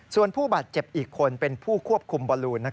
ส่วนผู้บาดเจ็บอีกคนเป็นผู้ควบคุมบอลลูน